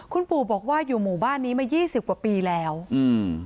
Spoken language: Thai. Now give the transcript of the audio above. คุณปู่บอกว่าอยู่หมู่บ้านนี้มายี่สิบกว่าปีแล้วอืม